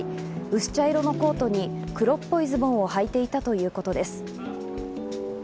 薄茶色のコートに黒っぽいズボンを履いていたということです。